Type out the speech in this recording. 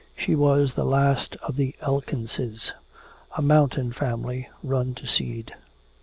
She was the last of "the Elkinses," a mountain family run to seed.